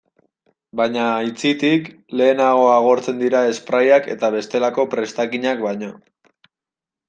Baina, aitzitik, lehenago agortzen dira sprayak eta bestelako prestakinak baino.